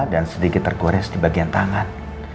dan sedikit tergores di bagian tangan